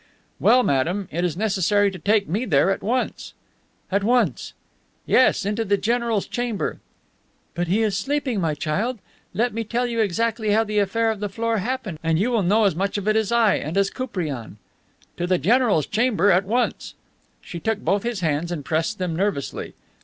"Well, madame, it is necessary to take me there at once." "At once!" "Yes, into the general's chamber." "But he is sleeping, my child. Let me tell you exactly how the affair of the floor happened, and you will know as much of it as I and as Koupriane." "To the general's chamber at once." She took both his hands and pressed them nervously.